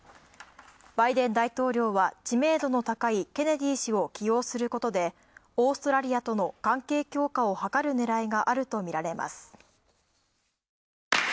バイデン大統領は知名度の高いケネディ氏を起用することで、オーストラリアとの関係強化を図るねらいがあるとみられています。